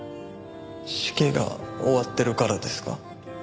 死刑が終わってるからですか？